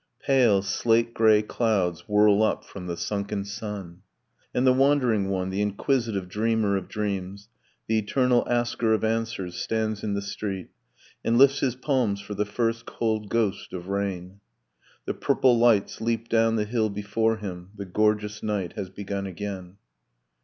Pale slate grey clouds whirl up from the sunken sun. And the wandering one, the inquisitive dreamer of dreams, The eternal asker of answers, stands in the street, And lifts his palms for the first cold ghost of rain. The purple lights leap down the hill before him. The gorgeous night has begun again.